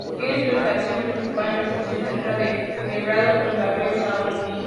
Tiene su estación principal en la Estación Central de Belgrado, junto al río Sava.